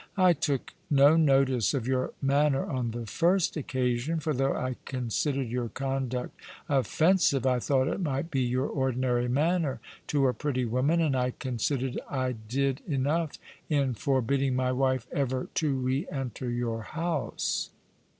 I took no notice of your manner on the first occasion — for though I considered your conduct ofensive, I thought it might be your ordinary N 178 All along the River, manner to a pretty woman, and I considered I did enough in forbidding my wife eyer to re enter your house.